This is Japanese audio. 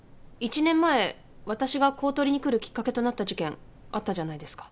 １年前私が公取に来るきっかけとなった事件あったじゃないですか。